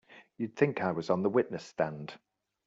You'd think I was on the witness stand!